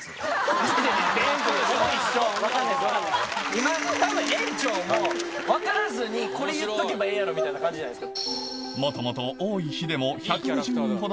今たぶん園長も分からずにこれ言っとけばええやろみたいな感じじゃないですか。